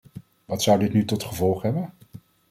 Wat zou dit nu tot gevolg hebben?